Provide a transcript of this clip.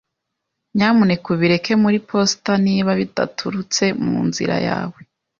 Nyamuneka ubireke muri posita niba bidaturutse mu nzira yawe.